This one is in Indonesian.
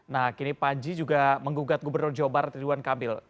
nah kini panji juga menggugat gubernur jawa barat ridwan kamil